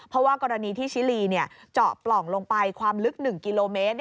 เพราะว่ากรณีที่ชิลีเจาะปล่องลงไปความลึก๑กิโลเมตร